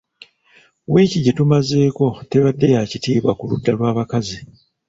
Wiiki gye tumazeeko tebadde ya kitiibwa ku ludda lw’abakazi.